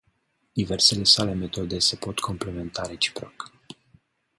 Diversele sale metode se pot complementa reciproc.